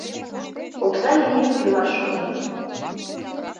Окса лиймек, тӱлаш шонем...